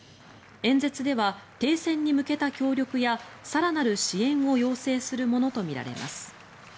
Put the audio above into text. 演説では停戦に向けた協力や更なる支援を要請するものとみられます。